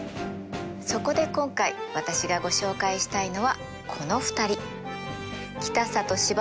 そこで今回私がご紹介したいのはこの２人。